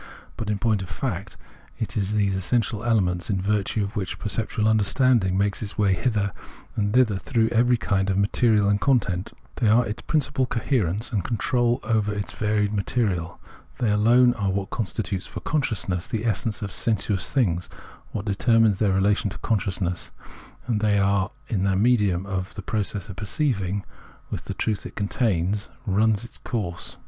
But in point of fact it is these essential elements in virtue of which perceptual understanding makes its way hither and thither through every kind of material and content ; they are its principle of coherence and control over its varied material ; they alone are what constitutes for consciousness the essence of sensuous things, what determines their relation to consciousness, and they are that in the medium of which the process of perceiving, with the truth it contains, runs its course.